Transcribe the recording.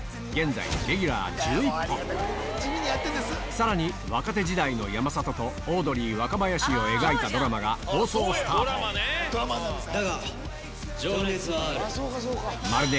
さらに若手時代の山里とオードリー・若林を描いたドラマが放送スタートまるで